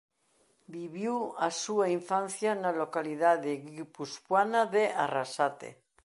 Viviu a súa infancia na localidade guipuscoana de Arrasate.